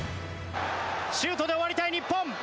シュートで終わりたい日本。